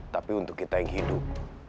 tapi untuk kita yang hidup